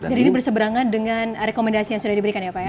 jadi ini berseberangan dengan rekomendasi yang sudah diberikan ya pak ya